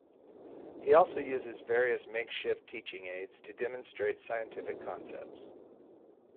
He also uses various makeshift teaching aids to demonstrate scientific concepts.